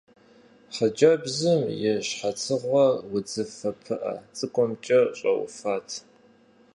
Хъыджэбзым и щхьэцыгъуэр удзыфэ пыӀэ цӀыкӀумкӀэ щӀэуфат.